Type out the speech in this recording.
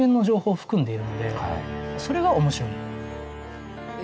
それが面白い。